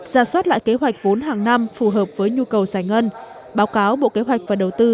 ra soát lại kế hoạch vốn hàng năm phù hợp với nhu cầu giải ngân báo cáo bộ kế hoạch và đầu tư